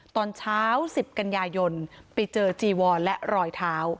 ตอนเช้า๑๐กันยายนไปเจอจีวอนและรอยเท้า